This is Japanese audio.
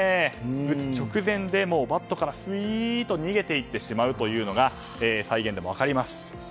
打つ直前でバットから逃げて行ってしまうというのが再現でも分かります。